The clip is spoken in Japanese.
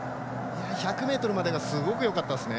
１００ｍまでがすごくよかったですね。